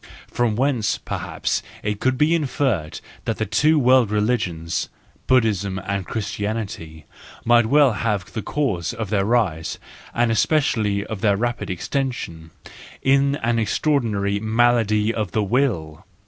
From whence perhaps it could be inferred that the two world religions, Buddhism and Christianity, might well have had the cause of their rise, and especially of their rapid extension, in an extraordinary malady of the will.